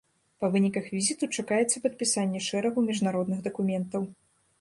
Па выніках візіту чакаецца падпісанне шэрагу міжнародных дакументаў.